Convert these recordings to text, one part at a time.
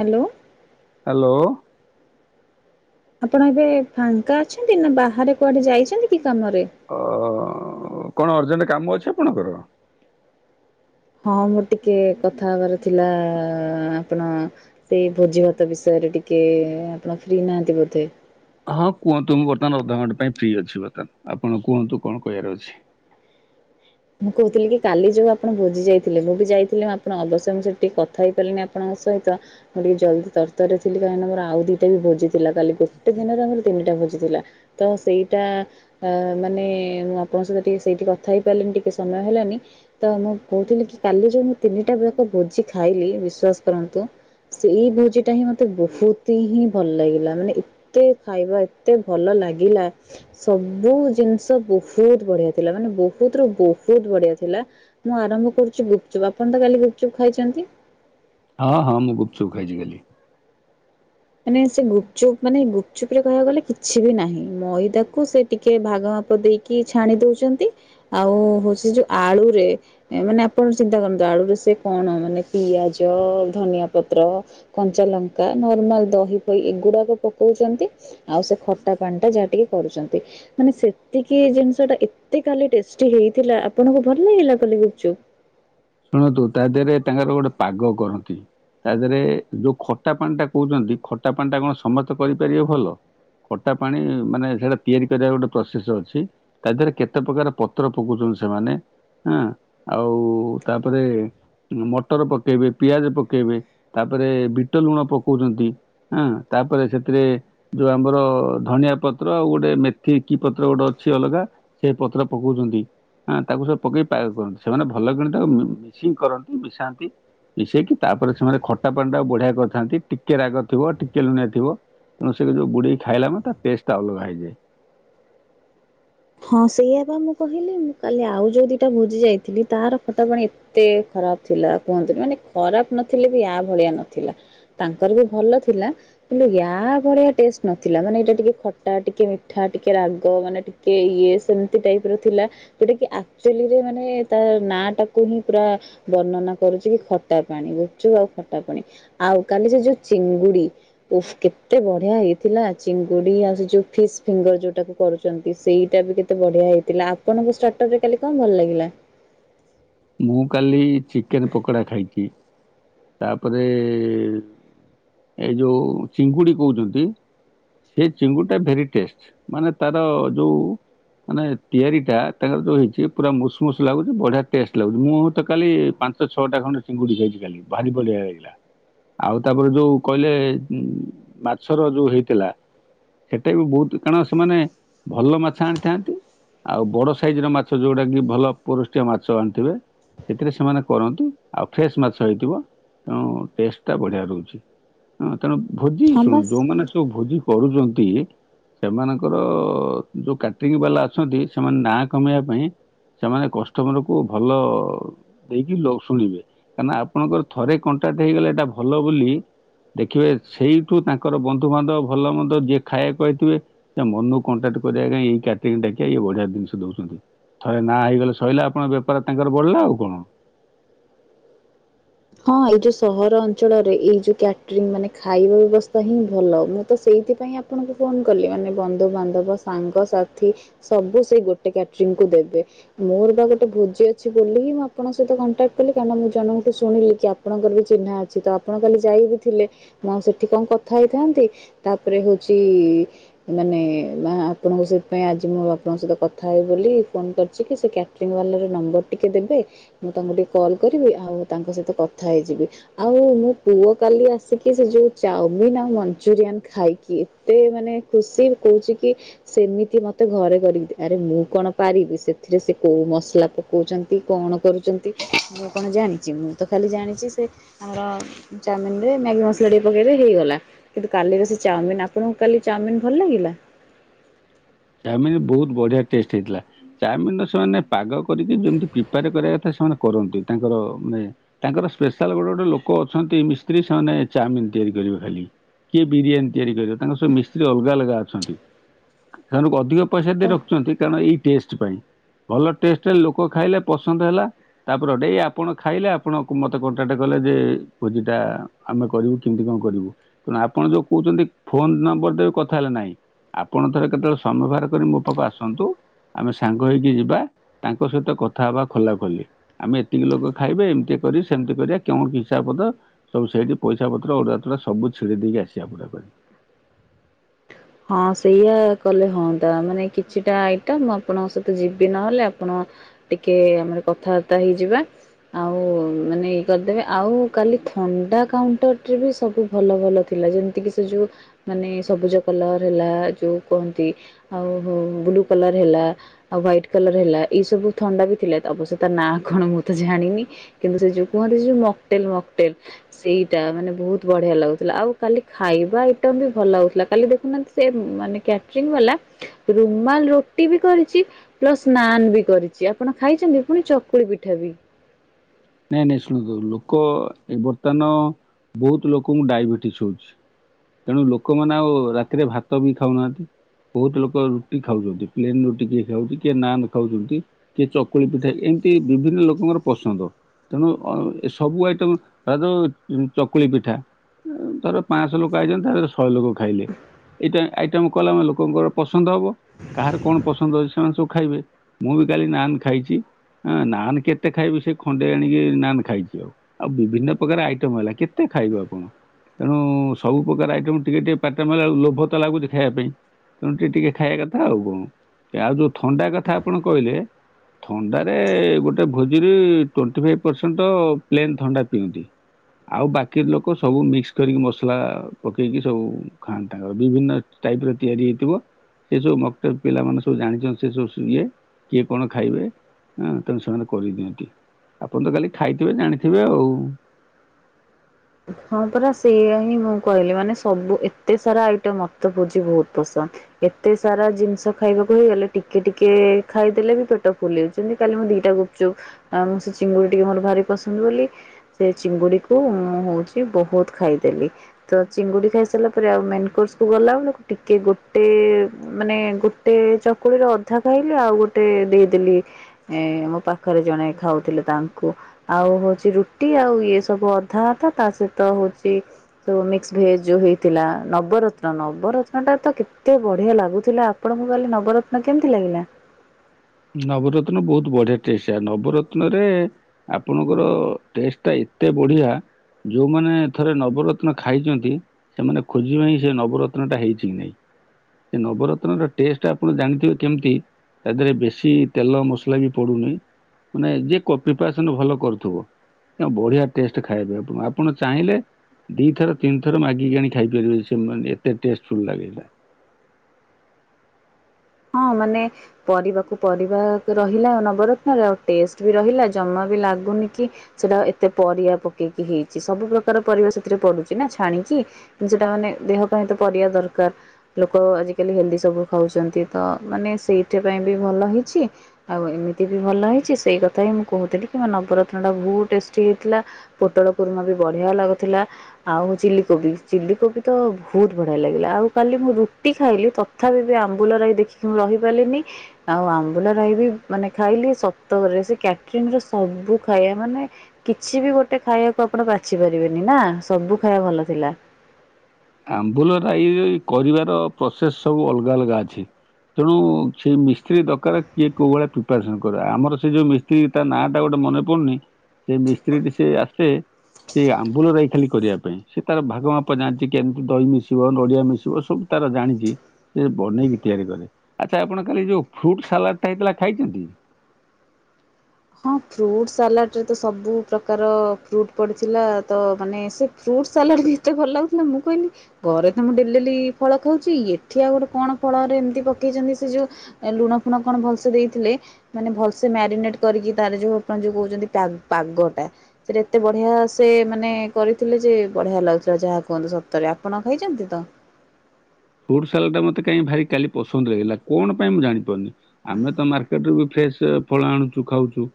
Hello hello. ଆପଣ ଏବେ ଫାଙ୍କା ଅଛନ୍ତି ନା ବାହାରେ କୁଆଡେ ଯାଇଛନ୍ତି କି କାମରେ? ଅ କଣ ଅର୍ଜେଣ୍ଟ କାମ ଅଛି ଆପଣଙ୍କର? ହଁ ମୋର ଟିକେ କଥା ହେବାର ଥିଲା ଲା ଆପଣ ସେ ଭୋଜି ଭାତ ବିଷୟରେ ଟିକେ ଆପଣ ଫ୍ରି ନାହାନ୍ତି ବୋଧେ। ହଁ କୁହନ୍ତୁ ମୁଁ ବର୍ତ୍ତମାନ ଅଧଘଣ୍ଟା ପାଇଁ ଫ୍ରି ଅଛି ବର୍ତ୍ତମାନ ଆପଣ କୁହନ୍ତୁ କଣ କହିବାର ଅଛି? ମୁଁ କହୁଥିଲି କି କାଲି ଯୋଉଁ ଆପଣ ଭୋଜି ଯାଇଥିଲେ ମୁଁ ବି ଯାଇଥିଲି ଆପଣ ଅବଶ୍ୟ ମୁଁ ସେଠି ଟିକେ କଥା ହେଇପାରିଲିନି ଆପଣଙ୍କ ସହିତ। ମୁଁ ଟିକେ ଜଲ୍ଦି ତରତର ଥିଲି କାହିଁ ନା ଆମର ଆଉ ଦିଇଟା ବି ଭୋଜି ଥିଲା କାଲି ଗୋଟେ ଦିନରେ ଆମର ତିନିଟା ଭୋଜି ଥିଲା। ତ ସେଇଟା ଅ ମାନେ ମୁଁ ଆପଣଙ୍କ ସହିତ ଟିକେ ସେଇଠି କଥା ହେଇପାରିଲିିନି ଟି ସମୟ ହେଲାନି। ତ ମୁଁ କହୁଥିଲି କି କାଲି ଯୋଉ ମୁଁ ତିନିଟା ବେଳକୁ ଭୋଜି ଖାଇଲି ବିଶ୍ୱାସ କରନ୍ତୁ। ସେଇ ଭୋଜି ଟା ହିଁ ମତେ ବହୁତ ହିଁ ଭଲ ଲାଗିଲା ମାନେ ତ ଖାଇବା ଏତେ ଭଲ ଲାଗିଲା। ସବୁ ଜିନିଷ ବହୁତ ବଢ଼ିଆ ଥିଲା ମାନେ ବହୁତ ରୁ ବହୁ ବହୁତ ବଢିଆ ଥିଲା ମୁଁ ଆରମ୍ଭ କରୁଛି ଗୁପଚୁପ୍ ଆପଣ ତ କାଲି ଗୁପଚୁପ୍ ଖାଇଛନ୍ତି। ହଁ ହଁ ମୁଁ ଗୁପଚୁପ ଖାଇଛି କାଲି। ମାନେ ସେ ଗୁପଚୁପ୍ ମାନେ ଗୁପଚୁପ ରେ କହିବାକୁ ଗଲେ କିଛି ବି ନାହିଁ ମଇଦାକୁ ସେ ଟିକେ ଭାଗ ମାପ ଦେଇକି ଛାଣି ଦଉଛନ୍ତି ଆଉ ହଉଛି ଯୋଉ ଆଳୁରେ ମାନେ ଆପଣ ଚିନ୍ତା କରନ୍ତୁ ଆଳୁ ର ସେ କଣ ମାନେ ପିଆଜ ଧନିଆ ପତ୍ର କଞ୍ଚା ଲଙ୍କା ନର୍ମାଲ ଦହି ପହି ଏଗୁଡାକ ପକଉଛନ୍ତି ଆଉ ସେ ଖଟା ପାଣି ଟା ଯାହା ଟିକେ କରୁଛନ୍ତି। ମାନେ ସେତିକି ଜିନିଷ ଟା ଏତେ ଖାଲି ଟେଷ୍ଟି ହେଇଥିଲା ଆପଣଙ୍କୁ ଭଲ ଲାଗିଲା କାଲି ଗୁପଚୁପ। ଶୁଣନ୍ତୁ ତା ଦେହରେ ତାଙ୍କର ଗୋଟେ ପାଗ କରନ୍ତି। ତା ଦେହରେ ଯୋଉ ଖଟା ପାଣି ଟା କହୁଛନ୍ତି ଖଟା ପାଣି ଟା କଣ ସମସ୍ତେ କରିପାରିବେ ଭଲ। ଖଟା ପାଣି ମାନେ ସେଇଟା ତିଆରି କରିବା ଗୋଟେ ପ୍ରୋସେସ୍ ଅଛି। ତା ଦେହରେ କେତେ ପ୍ରକାର ପତ୍ର ପକଉଛନ୍ତି ସେମାନେ ହଁ ଆଉ ତାପରେ ମଟର ପକେଇବେ ପିଆଜ ପକେଇବେ ତାପରେ ବିଟ ଲୁଣ ପକଉଛନ୍ତି। ହଁ ତାପରେ ସେଥିରେ ଯୋଉ ଆମର ଧଣିଆ ପତ୍ର ଆଉ ଗୋଟେ ମେଥି କି ପତ୍ର ଗୋଟେ ଅଛି ଅଲଗା ସେ ପତ୍ର ପକଉଛନ୍ତି ତାକୁ ସବୁ ପକେଇ ପାଗ କରନ୍ତି ସେମାନେ ଭଲ କି ତାକୁ ମିସିଂ କରନ୍ତି ମିଶାନ୍ତି। ମିଶେଇକି ତାପରେ ସେମାନେ ଖଟା ପାଣି ଟାକୁ ବଢିଆ କରିଥାନ୍ତି ଟିକେ ରାଗ ଥିବ ଟିକେ ଲୁଣିିଆ ଥିବ। ତେଣୁ ସେ ଯୋଉ ବୁଡେଇକ ଖାଇଲା ମତେ ତା ଟେଷ୍ଟ ଅଲଗା ହେଇାଯାଏ। ହଁ ସେଇଆ ବା ମୁଁ କହିଲି ମୁଁ କାଲି ଆଉ ଯୋଉ ଦିଇଟା ଭୋଜି ଯାଇଥିଲି ତାର ଖଟା ପାଣି ଏତେ ଏତେ ଖରାପ ଥିଲା କୁହନ୍ତୁନି ମାନେ ଖରାପ ନଥିଲେ ବି ଆ ଭଳିଆ ନଥିଲା। ତାଙ୍କର ବି ଭଲ ଥିଲା। କିନ୍ତୁ ୟା ଭଳିଆ ଟେଷ୍ଟ ନଥିଲା ମାନେ ଏଇଟା ଟିକେ ଖଟା ଟିକେ ମିଠା ଟିକେ ରାଗ ମାନେ କି ଇଏ ସେମିତି ଟାଇପର ଥିଲା। ଯୋଟା କି ଆକ୍ଚୁଲିରେ ମାନେ ତା ନାଁ ଟାକୁ ହିଁ ପୁରା ବର୍ଣ୍ଣନା କରୁଛି କି ଖଟା ପାଣି ଗୁପଚୁପ ଆଉ ଖଟା ପାଣି ଆଉ କାଲି ସେ ଯୋଉ ଚିଙ୍ଗୁଡି କେତେ ବଢିଆ ହେଇଥିଲା ଚିଙ୍ଗୁଡି ଆଉ ସେ ଯୋଉ ଫିସ୍ ଫିଙ୍ଗର ଯୋଉଟାକୁ କରୁଛନ୍ତି। କି ସେଇଟା ବି କେତେ ବଢିଆ ହେଇଥିଲା ଆପଣଙ୍କୁ ଷ୍ଟାର୍ଟର ରେ କାଲି କଣ ଭଲ ଲାଗିଲା। ମୁଁ କାଲି ଚିକେନ ପକୋଡା ଖାଇଛି ତାପରେ ଏଇ ଯୋଉ ଚିଙ୍ଗୁଡି କହୁଛନ୍ତି ସେ ଚିଙ୍ଗୁଡି ଟା ଭାରି ଟେଷ୍ଟ ମାନେ ତାର ଯୋଉ ମାନେ ତିଆରି ଟା ତାଙ୍କର ଯୋଉ ହେଇଛି ପୁରା ମୁଷମୁସ ଲାଗୁଛି ବଢିଆ ଟେଷ୍ଟ ଲାଗୁଛି ମୁଁ ତ କାଲି ପାଞ୍ଚ ଛଅଟା ଖଣ୍ଡ ଚିଙ୍ଗୁଡି ଖାଇଛି କାଲି ଭାରି ବଳିିଆ ଲାଗିଲା। ଆଉ ତାପରେ ଯୋଉ କହିଲେ ମାଛର ଯୋଉ ହେଇଥିଲା ସେଟା ବି ବହୁତ କାରଣ ସେମାନେ ଭଲ ମାଛ ଆଣିଥାନ୍ତି। ଆଉ ବଡ ସାଇଜ ର ମାଛ ଯୋଉଟା କି ଭଲ ପୁରଷ୍ଟିଆ ମାଛ ଆଣିଥିବେ। ସେଥିରେ ସେମାନେ କରନ୍ତି ଆଉ ଫ୍ରେଶ ମାଛ ହେଇଥିବ। ତେଣୁ ଟେଷ୍ଟ ଟା ବଢିଆ ରହୁଛି ହ ତେଣୁ ଭୋଜି ହଁ ଶୁଣୁ ବାସ୍ ଯୋଉମାନେ ସବୁ ଭୋଜି କରୁଛନ୍ତି। ସେମାନଙ୍କର ଯୋଉ କାଟ୍ରିଙ୍ଗ ବାଲା ଅଛନ୍ତି ସେମାନେ ନାଁ କମେଇବା ପାଇଁ ସେମାନେ କଷ୍ଟମରକୁ ଭଲ ଦେଇକି ଲୋକ ଶୁଣିବେ, କାରଣ ଆପଣଙ୍କର ଥରେ କଣ୍ଟାକ୍ଟ ହେଇଗଲେ ଏଇଟା ଭଲ ବୋଲି ଦେଖିବେ ସେଇଠୁ ତାଙ୍କର ବନ୍ଧୁବାନ୍ଧବ ଭଲ ମନ୍ଦ ଯିଏ ଖାଇବାକୁ ଆଇଥିବେ ସେ ମନକୁ କଣ୍ଟାକ୍ଟ କରିଆ କାଇଁ, କ୍ୟାଟରିଙ୍ଗ ଡ଼ାକିଆ ଇଏ ବଢିଆ ଜିନିଷ ଦଉଛନ୍ତି। ଥରେ ନାଁ ହେଇଗଲେ ସଇଲା ଆପଣଙ୍କ ବେପାର ତାଙ୍କର ବଡିଲା ଆଉ କଣ। ହଁ ଏଇ ଯୋଉ ସହର ଅଞ୍ଚଳରେ ଏଇ ଯୋଉ କ୍ୟାଟରିଂ ମାନେ ଖାଇବା ବ୍ୟବସ୍ଥା ହିଁ ଭଲ। ମୁଁ ତ ସେଇଥିପାଇଁ ଆ ଆପଣଙ୍କୁ ଫୋନ୍ କଲି, ମାନେ ବନ୍ଧୁବାନ୍ଧବ ସାଙ୍ଗସାଥି ସବୁ ସେଇ ଗୋଟେ କ୍ୟାଟରିଂକୁ ଦେବେ। ମୋର ବା ଗୋଟେ ଭୋଜି ଅଛି ବୋଲି ହିଁ ମୁଁ ଆପଣଙ୍କ ସହିତ କଣ୍ଟାକ୍ଟ କଲି। କାହିଁ ନା ମୁଁ ଜଣ ଶୁଣିଲି କି ଆପଣଙ୍କର ବି ଚିହ୍ନା ଅଛି। ତ ଆପଣ କାଲି ଯାଇ ବିି ଥିଲେ। ମୁଁ ଆଉ ସେଠି କଣ କଥା ହେଇଥାନ୍ତି, ତାପରେ ହଉଛି ମାନେ ମା ଆପଣଙ୍କ ସେଥିପାଇଁ ଆଜି ମୁଁ ବାପଙ୍କ ସହିତ କଥା ହେବି ବୋଲି ଫୋନ କରିଛି, କି ସେ କ୍ୟା କ୍ୟାଟିରିଂ ବାଲାର ନମ୍ବର ଟିକେ ଦେବେ, ମୁଁ ତାଙ୍କୁ ଟିକେ କଲ୍ କରିବି। ଆଉ ତାଙ୍କ ସହିତ କଥା ହେଇଯିବି। ଆଉ ମୋ ପୁଅ କାଲି ଆସିକି, ସେ ଯୋଉ ଚାମିିନ ଆଉ ମଞ୍ଚୁରିଆନ୍ ଖାଇକି ଏତେ ମାନେ ଖୁସି କହୁଛି କି ସେମିତି ମତେ ଘରେ କରିକି ଦେ। ଆରେ ମୁଁ କଣ ପାରିବି, ସେଥିରେ ସେ କୋଉ ମସଲା ପ ପକଉଛନ୍ତି କଣ କରୁଛନ୍ତି। ମୁଁ କଣ ଜାଣିଛି, ମୁଁ ତ ଖାଲି ଜାଣିଛି ସେ ଆମର ଚାଉମିନରେ ମ୍ୟାଗି ମସଲା ଟିକେ ପକେଇ ହେଇଗଲା। କିନ୍ତୁ କାଲିର ସେ ଚାଉମିନ, ଆପଣଙ୍କୁ କାଲି ଚାଉମିିନ ଭଲ ଲାଗିଲା? ଚାଉମିନ ବହୁତ ବଢିଆ ଟେଷ୍ଟ ହେଇଥିଲା। ଚାଉମିନର ସେମାନେ ପାଗ କରିକି ଯେମତି ପ୍ରିପାର କରିଆ କଥା, ସେମାନେ କରନ୍ତି ତାଙ୍କର ମାନେ ତାଙ୍କର ସ୍ପେଶାଲ ଗୋଟେ ଗୋଟେ ଲୋକ ଅଛନ୍ତି, ମିସ୍ତ୍ରୀ ସେମାନେ ଚାଉମିନ ତିଆରି କରିବେ ଖାଲି। କିଏ ବିରିୟାନୀ ତିଆରି କରିବ, ତାଙ୍କର ସବୁ ମିସ୍ତ୍ରୀ ଅଲଗା ଅଲଗା ଅଛନ୍ତି। ସେମାନଙ୍କୁ ଅଧିକ ପଇସା ହଁ ଦେଇ ରଖୁଛନ୍ତି, କାରଣ ଏଇ ଟେଷ୍ଟ ପାଇଁ। ଭଲ ଟେଷ୍ଟ, ଲୋକ ଖାଇଲେ ପସନ୍ଦ ହେଲା। ତାପରଡେ ଆପଣ ଖାଇଲେ, ଆପଣ ମତେ କଣ୍ଟାକ୍ଟ କଲେ ଯେ ଭୋଜିଟା ଆମେ କରିବୁ, କିମିତି କଣ କରିବୁ? ନା ଆପଣ ଯୋଉ କହୁଛନ୍ତି, ଫୋନ ନମ୍ବର ଦେବେ କଥା ହେଲେ ନାହିଁ। ଆପଣ ଥରେ କେତେବେଳେ ସମୟ ବାହାର କରି, ମୋ ପାଖକୁ ଆସନ୍ତୁ। ଆମେ ସାଙ୍ଗ ହେଇକି ଯିବା। ତାଙ୍କ ସହିତ କଥା ହବା ଖୋଲା ଖୋଲି। ଆମେ ଏତିକି ଲୋକ ଖାଇବେ, ଏମିତି କରି ସେମିତି କରିଆ କଣ ହିସାବ କରିଦବ। ସବୁ ସେଇଠି ପଇସା ପତ୍ର ଅଡୁଆ ତଡୁଆ ସବୁ ଛିଡେଇ ଦେଇକି ଆସିବା ପୁରା କରି। ହଁ ସେଇଆ କଲେ ହଁତା, ମାନେ କିଛିଟା ଆଇଟମ୍ ଆପଣଙ୍କ ସହିତ ଯିବି ନହେଲେ ଆପଣ ଟିକେ ଆମର କଥାବାର୍ତ୍ତା ହେଇଯିବା। ଆଉ ମାନେ ଇଏ କରିଦେବେ। ଆଉ କାଲି ଥଣ୍ଡା କାଉଣ୍ଟରରେ ବି ସବୁ ଭଲ ଭଲ ଥିଲା। ଯେମିତି କିି ସେ ଯୋଉ ମାନେ ସବୁଜ କଲର ହେଲା ଯୋଉ କୁହନ୍ତି। ଆଉ ହ ଉ ବ୍ଲୁ କଲର ହେଲା। ଆଉ ହ୍ୱାଇଟ୍ କଲର ହେଲା। ଏଇ ସବୁ ଥଣ୍ଡା ବି ଥିଲା ଅବଶ୍ୟ ତା ନାଁ କଣ ମୁଁ ତ ଜାଣିନି। କିନ୍ତୁ ସେ ଯୋଉ କୁହନ୍ତି ଯୋଉ ମକଟେଲ ମକଟେଲ। ସେଇଟା ମାନେ ବହୁତ ବଢିଆ ଲାଗୁଥିଲା। ଆଉ କାଲି ଖାଇବା ଆଇଟମ ବି ଭଲ ଲାଗୁଥିଲା। କାଲି ଦେଖ ନାହାନ୍ତି, ସେ ମାନେ କ୍ୟାଟଂ ବାଲା ରୁମାଲ ରୋଟି ବି କରିଛି। ପ୍ଲସ ନାନ୍ ବି କରିଛି। ଆପଣ ଖାଇଛନ୍ତି, ପୁଣି ଚକୁଳି ପିଠା ବି। ନାଇଁ ନାଇଁ ଶୁଣନ୍ତୁ, ଲୋକ ଏ ବର୍ତ୍ତମାନ ବହୁତ ଲୋକଙ୍କୁ ଡାଇବେଟିସ ହଉଛି। ତେଣୁ ଲୋକମାନେ ଆଉ ରାତିରେ ଭାତ ବି ଖାଉନାହାନ୍ତି। ବହୁତ ଲୋକ ରୁଟି ଖାଉଛନ୍ତି। ପ୍ଲେନ ରୁଟି କିଏ ଖାଉଛି, କିଏ ନାନ୍ ଖାଉଛନ୍ତି। କିଏ ଚକୁଳି ପିଠା, ଏମିତି ବିଭିନ୍ନ ଲୋକଙ୍କର ପସନ୍ଦ। ତେଣୁ ଏ ସବୁ ଆଇଟମ ତ ଯୋଉ ଚକୁଳି ପିଠା ଧର ପାଞ୍ଚଶହ ଲୋକ ଆଇଛନ୍ତି ତାରେ ଶହେ ଲୋକ ଖାଇଲେ ଏଇଟା ଆଇଟମ କଲାମାନେ ଲୋକଙ୍କର ପସନ୍ଦ ହବ କାହାର କଣ ପସନ୍ଦ ଅଛି ସେମାନେ ସବୁ ଖାଇବେ ମୁଁ ବି କାଲି ନାନ ଖାଇଛି ହଁ ନାନ କେତେ ଖାଇବି ସେ ଖଣ୍ଡ ତେଣିକେ ନାନ ଖାଇଛି ଆଉ ଆଉ ବିଭିନ୍ନ ପ୍ରକାର ଆଇଟମ ହେଲା କେତେ ଖାଇବେ ଆପଣ? ତେଣୁ ସବୁ ପ୍ରକାର ଆଇଟମ ଟିକେ ଟିକେ ପାଟିରେ ମାଇଲା ବେଳକୁ ଲୋଭ ତ ଲାଗୁଛି ଖାଇବା ପାଇଁ ତେଣୁ ଟିକେ ଟିକେ ଖାଇବା କଥା ଆଉ କଣ ଆଉ ଯୋଉ ଥଣ୍ଡା କଥା ଆପଣ କହିଲେ ଥଣ୍ଡାରେ ଗୋଟେ ଭୋଜିରେ ଟନ୍ତି ଫାଇବ ପରସେଣ୍ଟ ତ ପ୍ଲେନ ଥଣ୍ଡା ପିଅନ୍ତି ଆଉ ବାକି ଲୋକ ସବୁ ମିକ୍ସ କରିକି ମସଲା ପକେଇକି ସବୁ ଖାଆନ୍ତି ତାଙ୍କର ବିଭିନ୍ନ ଟାଇପ ର ତିଆରି ହେଇଥିବ ସେ ସବୁ ମକ୍ଟର ପିଲାମାନେ ସବୁ ଜାଣିଛନ୍ତି ସେ ସବୁ ଇଏ କିଏ କଣ ଖାଇବେ ହଁ ତେଣୁ ସେମାନେ କରିଦିଅନ୍ତି ଆପଣ ତ କାଲି ଖାଇଥିବେ ଜାଣିଥିବେ ଆଉ ହଁ ପରା ସେଇଆ ହିଁ ମୁଁ କହିଲି ମାନେ ସବୁ ଏତେ ସାରା ଆଇଟମ ମତେ ଭୋଜି ବହୁତ ପସନ୍ଦ ଏତେ ସାରା ଜିନିଷ ଖାଇବାକୁ ହେଇଗଲେ ଟିକେ ଟିକେ ଖାଇଦେଲେ ବି ପେଟ ଫୁଲିଛି କାଲି ମୁଁ ଦିଟା ଗୁପଚୁପ ମୁଁ ସେ ଚିଙ୍ଗୁଡି ଟିକେ ମୋର ଭାରି ପସନ୍ଦ ବୋଲି ସେ ଚିଙ୍ଗୁଡି କୁ ମୁଁ ହଉଛି ବହୁତ ଖାଇଦେଲି ତ ଚିଙ୍ଗୁଡି ଖାଇ ସାରିଲା ପରେ ଆଉ ମେନ୍ କୋର୍ସ କୁ ଗଲାବେଳକୁ ଟିକେ ଗୋଟେ ମାନେ ଗୋଟେ ଚକୁଳିର ଅଧା ଖାଇଲି ଆଉ ଗୋଟେ ଦେଇଦେଲି। ଏଇ ମୋ ପାଖରେ ଜଣେ ଖାଉଥିଲେ ତାଙ୍କୁ। ଆଉ ହଉଚି ରୁଟି ଆଉ ଇଏ ସବୁ ଅଧା ଅଧା ତା ସହିତ ହଉଚି ତ ମିକ୍ସ ଭେଜ ଯୋଉ ହେଇଥିଲା ନବରତ୍ନ ନବରତ୍ନ ଟା ତ କେତେ ବଢିଆ ଲାଗୁଥିଲା। ଆପଣଙ୍କୁ କାଲି ନବରତ୍ନ କେମିତି ଲାଗିଲା? ନବରତ୍ନ ବହୁତ ବଢିଆ ଟେସଆ ନବରତ୍ନ ରେ ଆପଣଙ୍କର ଟେଷ୍ଟ ଟା ଏତେ ବଢିଆ ଯୋଉମାନେ ଥରେ ନବରତ୍ନ ଖାଇଚନ୍ତି ସେମାନେ ଖୋଜିବେ ହିଁ ସେ ନବରତ୍ନ ଟା ହେଇଛି କି ନାଇଁ। ସେ ନବରତ୍ନ ର ଟେଷ୍ଟ ଆପଣ ଜାଣିଥିବେ କେମିତି ତା ଦେହରେ ବେଶ କିଛି ତେଲ ମସଲା ବି ପଡୁନି ମାନେ ଯିଏ ପ୍ରିପାରେସନ ଭଲ କରୁଥିବ। ବଢିଆ ଟେଷ୍ଟ ଖାଇବେ ଆପଣ ଆପଣ ଚାହିଁଲେ ଦିଥର ତିନିଥର ମାଗିକି ଆଣି ଖାଇପାରିବେ ସେ ମାନେ ଏତେ ଟେଷ୍ଟ ଫୁଲ ଲାଗେ ଏଇଟା। ହଁ ମାନେ ପରିବାକୁ ପରିବା ରହିଲା ଆଉ ନବରତ୍ନରେ ଆଉ ଟେଷ୍ଟ ବି ରହିଲା ଜମା ବି ଲାଗୁନି କି ସେଟା ଏତେ ପରିଆ ପକେଇକି ହେଇଚି ସବୁ ପ୍ରକାର ପରିବା ସେଥିରେ ପଡୁଛି ନା ଛାଣିକି। କି ସେଟା ମାନେ ଦେହ ପାଇଁ ତ ପରିବା ଦରକାର ଲୋକ ଆଜିକାଲି ହେଲଦି ସବୁ ଖାଉଛନ୍ତି। ତ ମାନେ ସେଇଥି ପାଇଁ ବି ଭଲ ହେଇଚି। ଆଉ ଏମିତି ବି ଭଲ ହେଇଚି ସେଇ କଥା ହିଁ ମୁଁ କହୁଥିଲି କି ମୋ ନବରତ୍ନ ଟା ବହୁତ ଟେଷ୍ଟି ହେଇଥିଲା। ପୋଟଳ କୁର୍ମା ବି ବଢିଆ ଲାଗୁଥିଲା। ଆଉ ଚିଲି କୋବି ଚିଲି କୋବି ତ ବହୁତ ବଢିଆ ଲାଗିଲା ଆଉ କାଲି ମୁଁ ରୁଟି ଖାଇଲି ତ ତଥାପି ବି ଆମ୍ବୁଲ ରାଇ ଦେଖିକି ମୁଁ ରହିପାରିଲିନି। ଆଉ ଆମ୍ବୁଲ ରାଇ ବି ମାନେ ଖାଇଲି ସତରେ ସେ କ୍ୟାଟରିଙ୍ଗରେ ସବୁ ଖାଇବା ମାନେ କିଛି ବି ଗୋଟେ ଖାଇବାକୁ ଆପଣ ବାଛି ପାରିବେନି ନା ସବୁ ଖାଇବା ଭଲ ଥିଲା। ଆମ୍ବୁଲ ରାଇ କରିବାର ପ୍ରୋସେସ ସବୁ ଅଲଗା ଅଲଗା ଅଛି। ତେଣୁ ସେଇ ମିସ୍ତ୍ରୀ ଦରକାର କିଏ କୋଉ ଭଳିଆ ପ୍ରିପାରେସନ କରେ ଆମର ସେ ଯୋଉ ମିସ ତା ନାଁ ଟା ଗୋଟେ ମନେ ପଡୁନି ସେ ମିସ୍ତ୍ରୀ ଟି ସେ ଆସେ ସେଇ ଆମ୍ବୁଲ ରାଇ ଖାଲି କରିଆ ପାଇଁ ସେ ତାର ଭାଗ ମାପା ଜାଣି ସେ କେମିତି ଦହି ମିଶିବ ନଡ଼ିଆ ମିଶିବ ସବୁ ତାର ଜାଣିକି ସେ ବନେଇକି ତିଆରି କରେ। ଆଚ୍ଛା ଆପଣ କାଲି ଯୋଉ ଫ୍ରୁଟ୍ ସାଲାଡ଼ଟା ହେଇଥିଲା ଖାଇଛନ୍ତି। ହଁ ଫ୍ରୁଟ ସାଲାଡ଼ରେ ତ ସବୁ ପ୍ରକାର ଫ୍ରୁଟ୍ ପଡ଼ିଥିଲା ତ ମାନେ ସେ ଫ୍ରୁଟ୍ ସାଲାଡ ବି ଏତେ ଭଲ ଲାଗୁଥିଲା ମୁଁ କହିଲି ଘରେ ତ ମୁଁ ଡେଲି ଡେଲି ଫଳ ଖାଉଚି ଏଠି ଆଉ ଗୋଟେ କଣ ଫଳରେ ଏମିତି ପକେଇଚନ୍ତି ସେ ଯୋଉ ଲୁଣ ଫୁଣ କଣ ଭଲସେ ଦେଇଥିଲେ ମାନେ ଭଲସେ ମାରିନେଟ କରିକି ତାର ଯୋଉ ଆପଣ ଯୋଉ କହୁଛନ୍ତି ପାଗଟା। ସେଇଟା ଏତେ ବଢିଆ ସେ ମାନେ କରିଥିଲେ ଯେ ବଢିଆ ଲାଗୁଥିଲା ଯାହା କୁହନ୍ତୁ ସତରେ ଆପଣ ଖାଇଚନ୍ତି ତ? ଫ୍ରୁଟ୍ ସାଲଡ ଟା ମତେ କାଇଁ ଭାରି ପସନ୍ଦ ଲାଗିଲା କଣ ପାଇଁ ମୁଁ ଜାଣିପାରୁନି। ଆମେ ତ ମାର୍କେଟ ରୁ ବି ଫେଶ ଫଳ ଆଣୁଚୁ ଖାଉଚୁ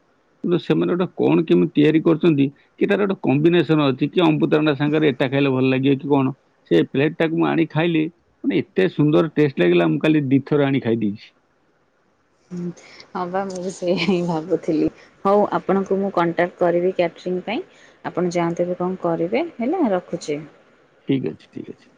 କିନ୍ତୁ ସେମାନେ ଗୋଟା କଣ କେମିତି ତିଆରି କରିଚନ୍ତି କି ତାର ଗୋଟେ କମ୍ବିନେସନ ଅଛି କି ଅମୁତଭଣ୍ଡା ସାଙ୍ଗରେ ଏଇଟା ଖାଇଲେ ଭଲ ଲାଗିବ କି କଣ? ସେ ପ୍ଲେଟ ଟାକୁ ମୁଁ ଆଣି ଖାଇଲି ମାନେ ଏତେ ସୁନ୍ଦର ଟେଷ୍ଟ ଲାଗିଲା ମୁଁ କାଲି ଦିଥର ଆଣି ଖାଇ ଦେଇଛି। ହୁଁ ହଁ ବା ମୁଁ ସେଇଆ ହିଁ ଭାବୁଥିଲି। ହଉ ଆପଣଙ୍କୁ ମୁଁ କଣ୍ଟାକ୍ଟ କରିବି କ୍ୟାଟରିଂ ପାଇଁ। ଆପଣ ଯାଆନ୍ତୁ ଏବେ କଣ କରିବେ ହେଲା ରଖୁଚି। ଠିକ୍ ଅଛି ଠିକ୍ ଅଛି।